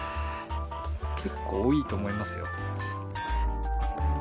結構多いと思いますよ。